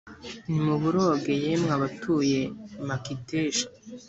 nimuboroge yemwe abatuye i makiteshi